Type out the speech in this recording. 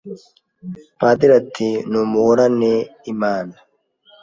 Padiri ati numuhorane Imana